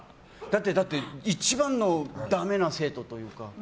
だって一番のだめな生徒というか。